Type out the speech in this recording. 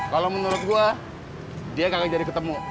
kalau menurut gue dia kagak jadi ketemu